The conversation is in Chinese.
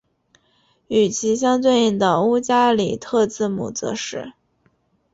与其相对应的乌加里特字母则是。